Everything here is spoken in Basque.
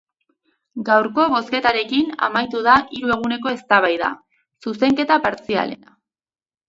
Gaurko bozketarekin amaitu da hiru eguneko eztabaida, zuzenketa partzialena.